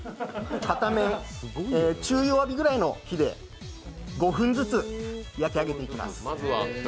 片面、中弱火ぐらいの火で５分ぐらい焼き上げていきます。